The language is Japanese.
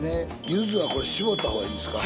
ゆずはこれ搾った方がいいんですか？